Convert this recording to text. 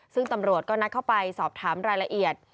ซึ่งตำรวจก็นัดเข้าไปสอบถามรายละเอียด